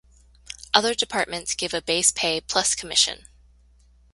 Other departments give a base pay plus commission.